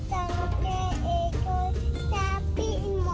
tatang ke ikut tapi mau